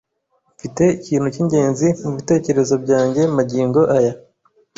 Mfite ikintu cyingenzi mubitekerezo byanjye magingo aya.